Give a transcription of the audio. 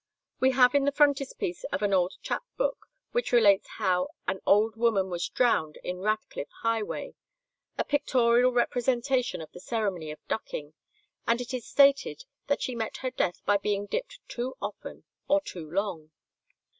We have in the frontispiece of an old "Chap" book, which relates how "an old woman was drowned in Ratcliffe highway," a pictorial representation of the ceremony of ducking, and it is stated that she met her death by being dipped too often or too long.